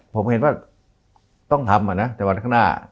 ผมเห็นว่าต้องทำนะแต่วันข้างหน้า